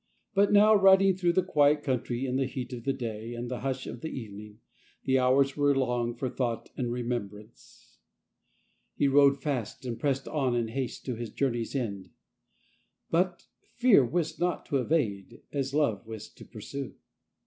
But now, riding through the quiet country in the heat of the day and the hush of the evening, the hours were long for thought and remembrance, .; LIFE OF ST. PAUL He rode fast, and pressed on in haste to his journey's end; but— " Fear wist not to evade as Love wist to pursue."